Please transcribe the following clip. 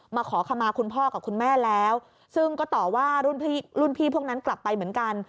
ขอขมาคุณพ่อกับคุณแม่แล้วซึ่งก็ต่อว่ารุ่นพี่พวกนั้นกลับไปเหมือนกัน